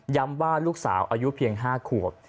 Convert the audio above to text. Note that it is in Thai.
ว่าลูกสาวอายุเพียง๕ขวบ